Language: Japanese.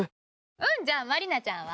うんじゃあまりなちゃんは？